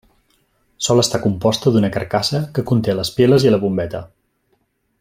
Sol estar composta d'una carcassa que conté les piles i la bombeta.